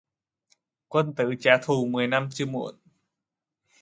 Quân tử trả thù mười năm chưa muộn